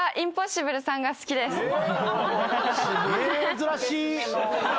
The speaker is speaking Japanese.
珍しい。